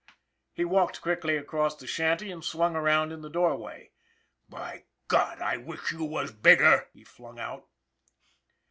He walked quickly across the shanty and swung around in the doorway. " By God, I wish you was bigger !" he flung out.